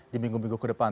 di minggu minggu ke depan